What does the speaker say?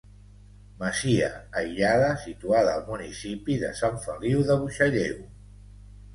Masia aïllada, situada al municipi de Sant Feliu de Buixalleu.